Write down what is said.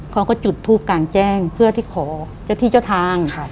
เขาก็จุดทูปกลางแจ้งเพื่อที่ขอเจ้าที่เจ้าทาง